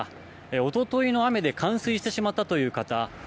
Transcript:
一昨日の雨で冠水してしまったという方。